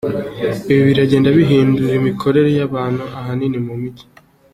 Ibi biragenda bihindura imikorere y’abantu ahanini mu mijyi.